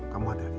kamu ada angin ya